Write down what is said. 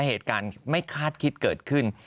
เหตุการณ์ไม่คาดคิดเกิดขึ้น